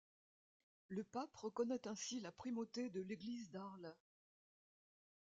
Le pape reconnaît ainsi la primauté de l’Église d’Arles.